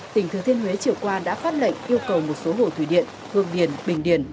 tỉnh thừa thiên huế chiều qua đã phát lệnh yêu cầu một số hồ thủy điện hương điền bình điền